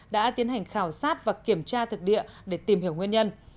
đã tiến hành khảo sát và kiểm tra thực địa để tìm hiểu nguyên nhân